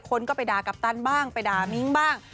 คนก็ไปด่ากัปตันบ้างไปด่ามิ้งบ้าง